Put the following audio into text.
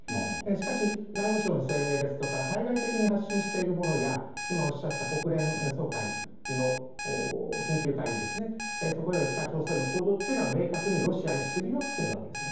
しかし、外務省の声明ですとか対外的に発信しているものですとか今、おっしゃった国連総会の緊急会議での北朝鮮の行動は明確にロシアにすり寄っているわけです。